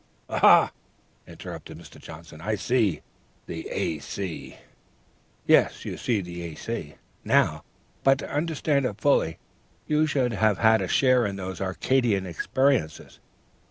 '" "Aha!" interrupted Mr. Johnson, "I see! The A.C.!" "Yes, you see the A.C. now, but to understand it fully you should have had a share in those Arcadian experiences....